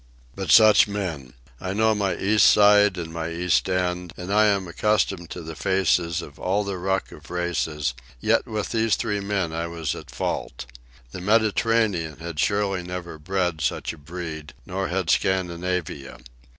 But such men! I know my East Side and my East End, and I am accustomed to the faces of all the ruck of races, yet with these three men I was at fault. The Mediterranean had surely never bred such a breed; nor had Scandinavia.